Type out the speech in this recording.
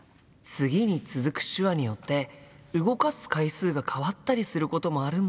次に続く手話によって動かす回数が変わったりすることもあるんだ。